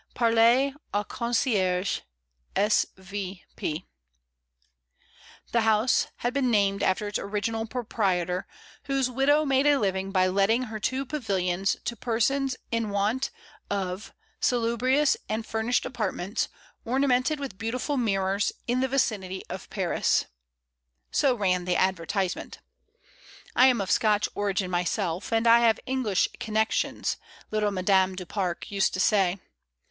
Parlez au Concierge^ S, V. P" 46 MRS. DYMOND. The house had been named after its original proprietor, whose widow made a living by letting her two pavilions to persons in want of salubrious and furnished apartments, ornamented with beautiful mirrors J in the vicinity of Paris, So ran the ad vertisement. "I am of Scotch origin myself, and I have an English connection," little Madame du Pare used to say.